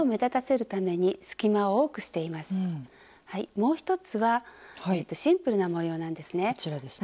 もう一つはシンプルな模様なんですね。